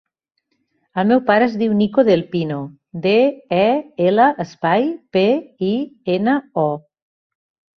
El meu pare es diu Nico Del Pino: de, e, ela, espai, pe, i, ena, o.